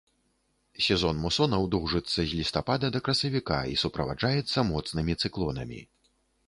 Сезон мусонаў доўжыцца з лістапада да красавіка і суправаджаецца моцнымі цыклонамі.